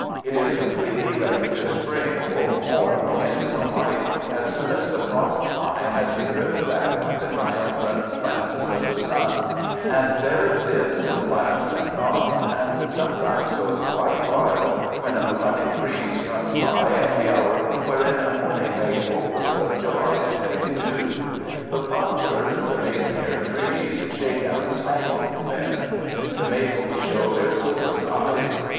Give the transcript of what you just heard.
It is completely ready to spring full formed into the light as soon as the frost line has been driven back by the triumphant lances of the sun, and there it dips and laughs and nods, and sometimes goes quite wild when a running breeze comes by at the hour wherein morning makes opals of July's heavy dew. The poplars, the maidenhair trees, shake out spangles then. The maples show their silver sides.